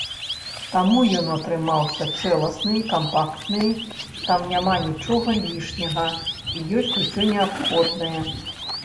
Таму ён атрымаўся цэласны, кампактны, там няма нічога лішняга і ёсць усё неабходнае.